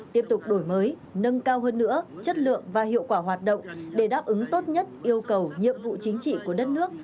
tiếp tục đổi mới nâng cao hơn nữa chất lượng và hiệu quả hoạt động để đáp ứng tốt nhất yêu cầu nhiệm vụ chính trị của đất nước